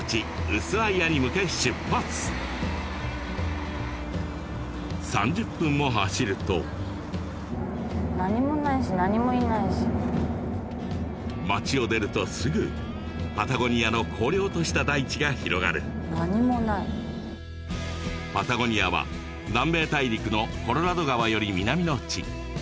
ウスアイアに向け出発３０分も走ると町を出るとすぐパタゴニアの荒涼とした大地が広がるパタゴニアは南米大陸のコロラド川より南の地